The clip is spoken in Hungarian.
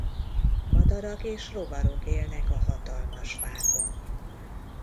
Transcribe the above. Madarak és rovarok élnek a hatalmas fákon.